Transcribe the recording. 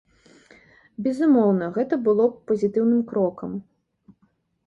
Безумоўна, гэта было б пазітыўным крокам.